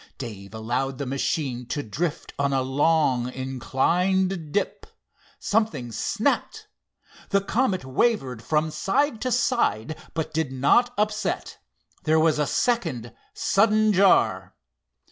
Dave allowed the machine to drift on a long, inclined dip. Something snapped. The Comet wavered from side to side but did not upset. There was a second sudden jar.